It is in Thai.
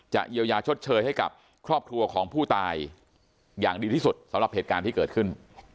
เยียวยาชดเชยให้กับครอบครัวของผู้ตายอย่างดีที่สุดสำหรับเหตุการณ์ที่เกิดขึ้น